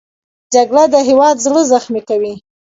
جګړه د هېواد زړه زخمي کوي